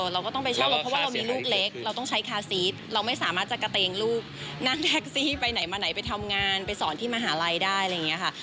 เราก็ต้องไปเช่ารถเพราะว่าเรามีลูกเล็กเราต้องใช้คาซีสเราไม่สามารถจะกระเตงลูกนั่งแท็กซี่ไปไหนมาไหนไปทำงานไปสอนที่มหาลัยได้อะไรอย่างนี้ค่ะ